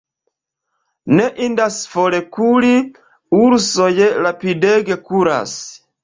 Ne indas forkuri: ursoj rapidege kuras.